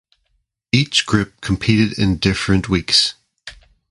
Each group competed in different weeks.